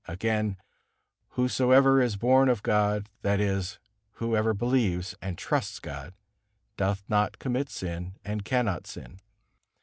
Again: "Whosoever is born of God, that is, whoever believes and trusts God, doth not commit sin, and cannot sin."